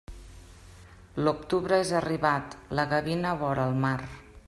L'octubre és arribat, la gavina vora el mar.